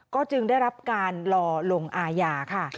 ก็จึงได้รับการรอลงอาญาค่ะ